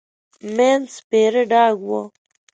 مينځ سپيره ډاګ و.